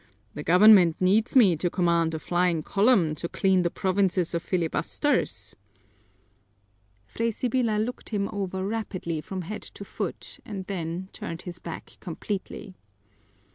"The government needs me to command a flying column to clean the provinces of filibusters." Fray Sibyla looked him over rapidly from head to foot and then turned his back completely.